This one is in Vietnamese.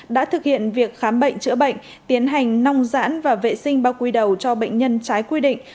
đã thực hiện việc khám bệnh chữa bệnh tiến hành nông giãn và vệ sinh bao quy đầu cho bệnh nhân trái quy định